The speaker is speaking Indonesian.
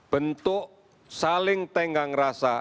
bentuk saling tenggang rasa